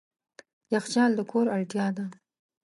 یخچال د کور اړتیا ده.